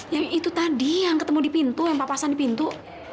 yang itu tadi yang ketemu di pintu yang papa pasang di pintu